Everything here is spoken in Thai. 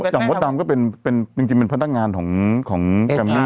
จังบ๊อตดามก็เป็นพนักงานของแฟมมี่